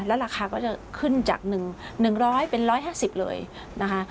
แล้วราคาก็จะขึ้นจาก๑๐๐เป็น๑๕๐เลยนะคะ